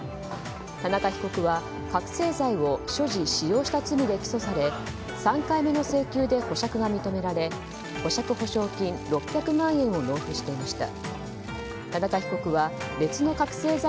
田中被告は覚醒剤を所持・使用した罪で起訴され３回目の請求で保釈が認められ保釈保証金６００万円を納付していました。